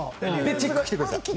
チェック来てください。